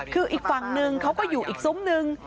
คืออีกฝั่งนึงเขาก็อยู่อีกซุ้มนึง